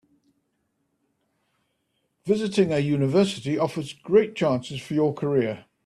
Visiting a university offers great chances for your career.